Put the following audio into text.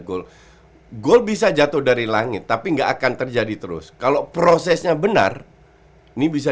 gol gol bisa jatuh dari langit tapi enggak akan terjadi terus kalau prosesnya benar ini bisa